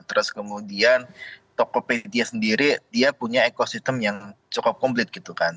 terus kemudian tokopedia sendiri dia punya ekosistem yang cukup komplit gitu kan